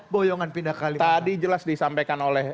bohongan pindahkali tadi jelas disampaikan oleh